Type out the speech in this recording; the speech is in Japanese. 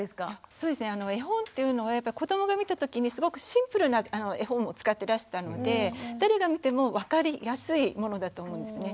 そうですね絵本っていうのは子どもが見た時にすごくシンプルな絵本を使ってらしたので誰が見ても分かりやすいものだと思うんですね。